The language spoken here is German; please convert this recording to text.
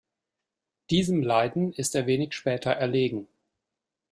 Diesem Leiden ist er wenig später erlegen.